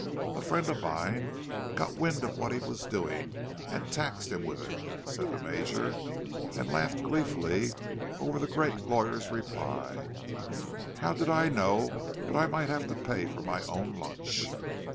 "A friend of mine got wind of what he was doing, and taxed him with it," said the Major, and laughed gleefully over the great lawyer's reply—"How did I know but I might have to pay for my own lunch?"